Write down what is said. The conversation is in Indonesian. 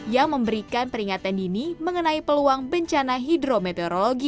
yang memberikan peringatan dini mengenai peluang bencana hidrometeorologi